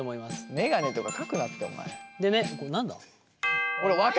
眼鏡とか書くなってお前。